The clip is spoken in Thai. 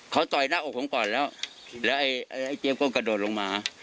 เขาต่อยหน้าอกผมก่อนแล้วแล้วไอ้เจี๊ยก็กระโดดลงมา